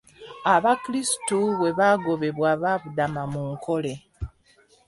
Abakirstu bwe baagobebwa, baabudama mu Nkole.